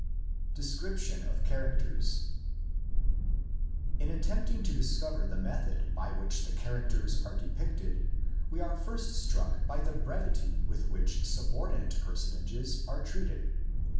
DESCRIPTION OF CHARACTERS. In attempting to discover the method by which characters are depicted we are first struck by the brevity with which subordinate personages are treated.